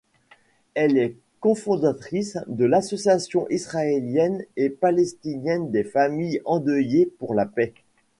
Elle est cofondatrice de l'association israélienne et palestinienne des Familles endeuillées pour la paix.